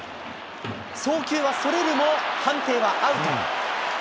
送球はそれるも、判定はアウト。